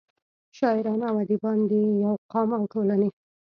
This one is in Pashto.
شاعران او اديبان دَيو قام او ټولنې